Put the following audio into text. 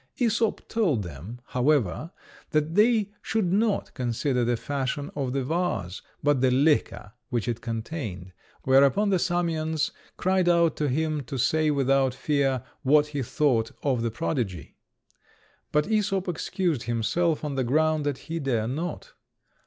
Æsop told them, however, that they should not consider the fashion of the vase, but the liquor which it contained; whereupon the Samians cried out to him to say without fear what he thought of the prodigy. But Æsop excused himself on the ground that he dare not.